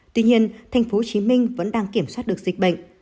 tuy nhiên tp hcm vẫn đang kiểm soát được dịch bệnh